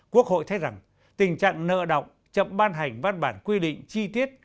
quốc hội thấy rằng tình trạng nợ động chậm ban hành văn bản quy định chi tiết